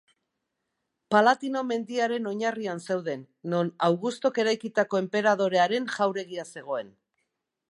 Palatino mendiaren oinarrian zeuden, non Augustok eraikitako enperadorearen jauregia zegoen.